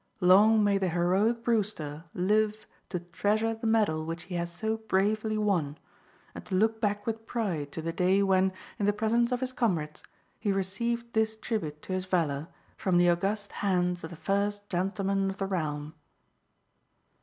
Long may the heroic Brewster live to treasure the medal which he has so bravely won, and to look back with pride to the day when, in the presence of his comrades, he received this tribute to his valour from the august hands of the first gentleman of the realm."